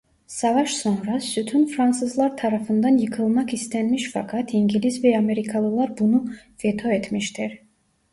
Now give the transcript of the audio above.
Savaş sonra sütun Fransızlar tarafından yıkılmak istenmiş fakat İngiliz ve Amerikalılar bunu veto etmiştir.